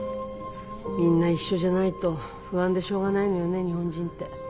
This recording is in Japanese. みんな一緒じゃないと不安でしょうがないのよね日本人って。